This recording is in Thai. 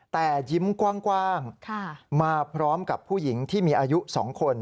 แต่ยิ้มกว้างมาพร้อมกับผู้หญิงที่มีอายุ๒คน